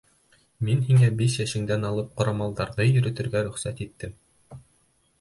Мин һиңә биш йәшендән алып ҡорамалдарҙы йөрөтөргә рөхсәт иттем.